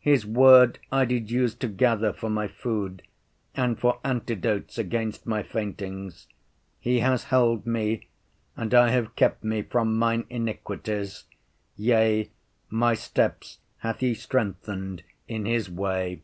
His Word I did use to gather for my food, and for antidotes against my faintings. He has held me, and I have kept me from mine iniquities; yea, my steps hath he strengthened in his way.